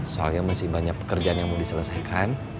soalnya masih banyak pekerjaan yang mau diselesaikan